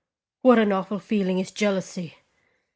What an awful feeling is jealousy!